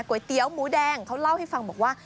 เก๋นก๋วยเตี๋ยวหมูแดงเขาเล่าให้ฟังบอกว่า